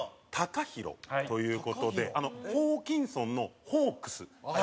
「鷹大」という事でホーキンソンの「ホークス」「鷹」。